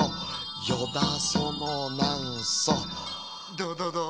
どうどうどう？